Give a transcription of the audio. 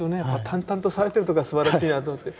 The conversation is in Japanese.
淡々とされてるとこがすばらしいなと思って。